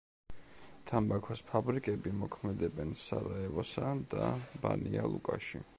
თამბაქოს ფაბრიკები მოქმედებენ სარაევოსა და ბანია-ლუკაში.